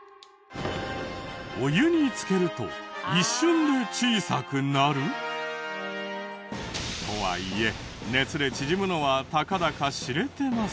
お湯につけると一瞬で小さくなる？とはいえ熱で縮むのはたかだか知れてますが。